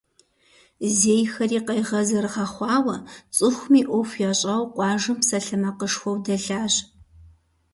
Зейхэри къайгъэ зэрыгъэхъуауэ, цӏыхуми ӏуэху ящӏауэ къуажэм псалъэмакъышхуэу дэлъащ.